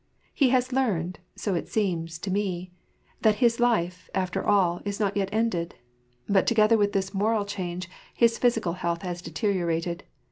Ue has learned, so it seems, to me, that his life, after all, is not yet ended. But together with this moral change, his physical health has deteriorated.